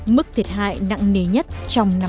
mức thiệt hại nặng nề nhất trong năm hai nghìn một mươi bảy